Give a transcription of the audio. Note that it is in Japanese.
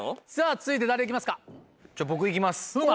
続いて誰行きますか？